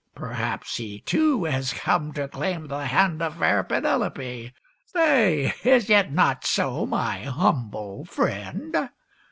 Perhaps he, too, has come to claim the hand of fair Penelope. Say, is it not so, my humble friend.?